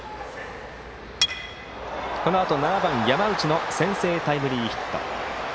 このあと、７番、山内の先制タイムリーヒット。